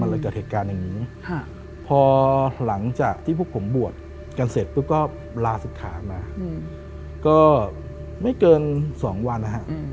เลยเกิดเหตุการณ์อย่างนี้พอหลังจากที่พวกผมบวชกันเสร็จปุ๊บก็ลาศิกขามาก็ไม่เกิน๒วันนะฮะ